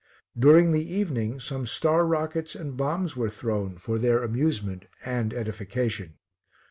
During the evening, some star rockets and bombs were thrown for their amusement and edification.